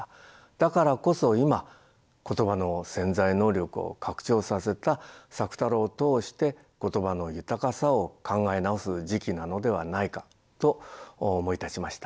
だからこそ今言葉の潜在能力を拡張させた朔太郎を通して言葉の豊かさを考え直す時期なのではないかと思い立ちました。